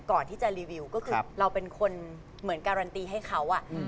ก่อนที่จะรีวิวก็คือเราเป็นคนเหมือนการันตีให้เขา